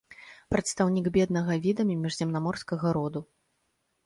Прадстаўнік беднага відамі міжземнаморскага роду.